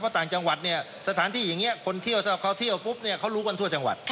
เพราะต่างจังหวัดเนี่ยสถานที่อย่างนี้คนเที่ยวถ้าเขาเที่ยวปุ๊บเนี่ยเขารู้กันทั่วจังหวัด